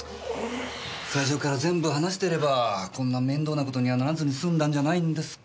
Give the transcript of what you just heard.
最初から全部話してればこんな面倒な事にはならずに済んだんじゃないんですか？